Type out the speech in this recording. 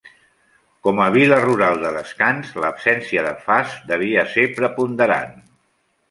Com a vil·la rural de descans, l'absència de fast devia ser preponderant.